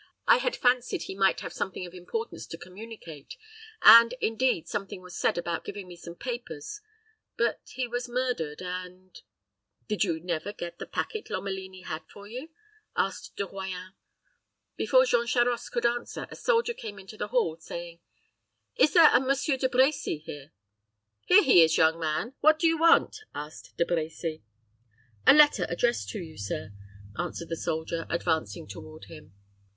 I had fancied he might have something of importance to communicate; and, indeed, something was said about giving me some papers; but he was murdered, and " "Did you never get the packet Lomelini had for you?" asked De Royans. Before Jean Charost could answer, a soldier came into the hall, saying, "Is there a Monsieur de Brecy here?" "He is here, young man; what do you want?" asked De Brecy. "A letter addressed to you, sir," answered the soldier, advancing toward him.